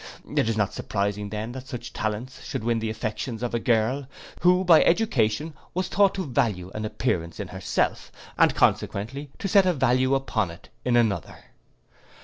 It is not surprising then that such talents should win the affections of a girl, who by education was taught to value an appearance in herself, and consequently to set a value upon it in another.